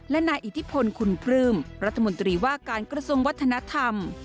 และนายอิทธิพลคุณปลื้มรัฐมนตรีว่าการกระทรวงวัฒนธรรม